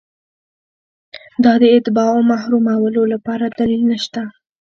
دا د اتباعو محرومولو لپاره دلیل نشته.